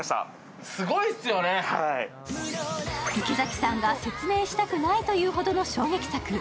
池崎さんが説明したくないというほどの衝撃作